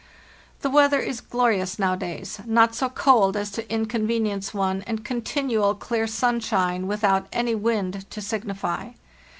"The weather is glorious nowadays, not so cold as to inconvenience one, and continual clear sunshine, without any wind to signify.